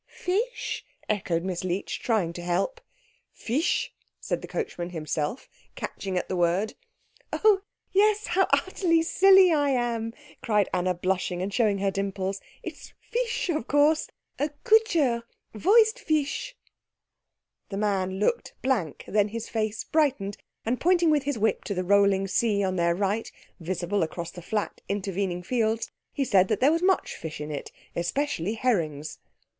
"Fish?" echoed Miss Leech, trying to help. "Fisch?" said the coachman himself, catching at the word. "Oh, yes; how utterly silly I am," cried Anna blushing and showing her dimples, "it's Fisch, of course. Kutscher, wo ist Fisch?" The man looked blank; then his face brightened, and pointing with his whip to the rolling sea on their right, visible across the flat intervening fields, he said that there was much fish in it, especially herrings.